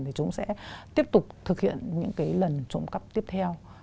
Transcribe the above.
thì chúng sẽ tiếp tục thực hiện những cái lần trộm cắp tiếp theo